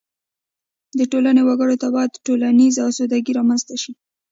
د ټولنې وګړو ته باید ټولیزه اسودګي رامنځته شي.